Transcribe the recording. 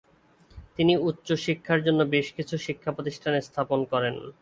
তিনি উচ্চশিক্ষার জন্য বেশ কিছু শিক্ষাপ্রতিষ্ঠান স্থাপন করেন।